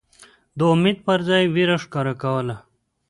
د امید پر ځای یې وېره ښکاروله.